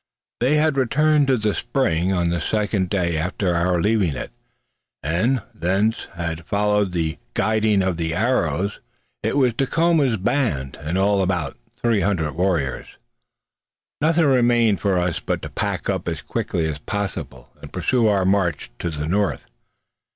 They had returned to the spring on the second day after our leaving it, and thence had followed the guiding of the arrows. It was Dacoma's band, in all about three hundred warriors. Nothing remained for us now but to pack up as quickly as possible, and pursue our march to the north.